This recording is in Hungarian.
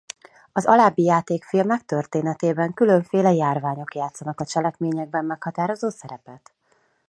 Az alábbi játékfilmek történetében különféle járványok játszanak a cselekményben meghatározó szerepet.